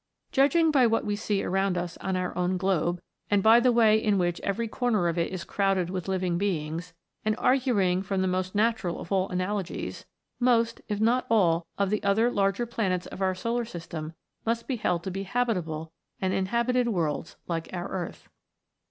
Judging by what we see around us on our own globe, and by the way in which every corner of it is crowded with living beings, and arguing from the most natural of all analogies, most, if not all, of the other larger planets of our solar system must be held to be habitable and inhabited worlds like our earth.